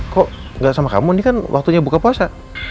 kok gak sama kamu ini kan waktunya buka puasa